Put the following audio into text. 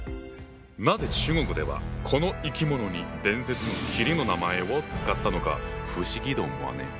なぜ中国ではこの生き物に伝説の麒麟の名前を使ったのか不思議と思わねえ？